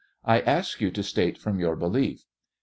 I ask you to state from your belief?